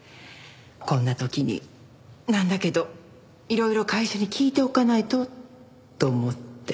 こんな時になんだけどいろいろ会社に聞いておかないとと思って。